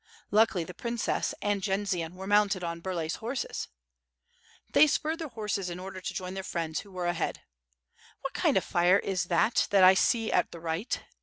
"Luckily the princes and Jendzian were mounted on Bur lay's horses." They spurred their horses in order to join their friends who were ahead. "What kind of a fire is that I see at the right?"